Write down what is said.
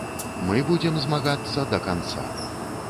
Мы будзем змагацца да канца.